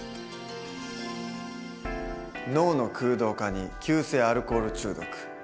脳の空洞化に急性アルコール中毒。